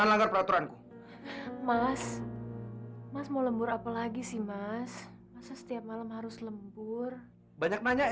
langgar peraturanku mas mas mau lembur apalagi sih mas setiap malam harus lembur banyak banyak